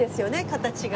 形が。